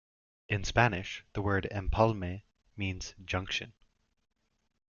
In Spanish, the word "empalme" means "junction".